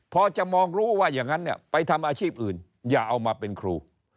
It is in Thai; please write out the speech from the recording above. พอจะมองรู้ว่าอย่างนั้นเนี่ยไปทำอาชีพอื่นอย่าเอามาเป็นครู